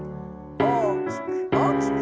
大きく大きく。